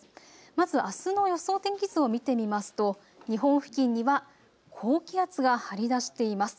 まずあすの予想天気図を見てみますと日本付近には高気圧が張り出しています。